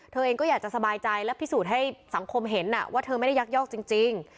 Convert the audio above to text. เธอเองก็อยากจะสบายใจและพิสูจน์ให้สังคมเห็นว่าเธอไม่ได้ยักยอกจริง